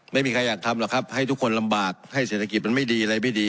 ไม่มีใครอยากทำหรอกครับให้ทุกคนลำบากให้เศรษฐกิจมันไม่ดีอะไรไม่ดี